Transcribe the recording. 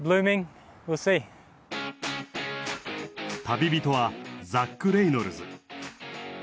旅人はザック・レイノルズ。